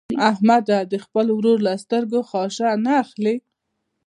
احمده د خپل ورور له سترګو خاشه نه اخلي.